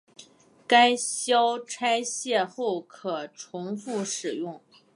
该销拆卸后可重复使用。